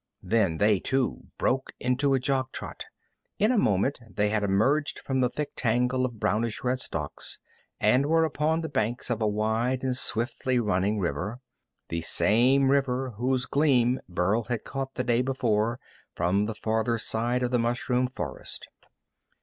Then they, too, broke into a jog trot. In a moment they had emerged from the thick tangle of brownish red stalks and were upon the banks of a wide and swiftly running river, the same river whose gleam Burl had caught the day before from the farther side of the mushroom forest.